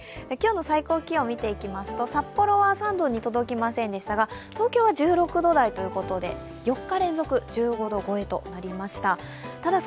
今日の最高気温、見ていきますと札幌は３度に届きませんでしたが東京は１６度台ということで、４日連続で１５度超えということになりました。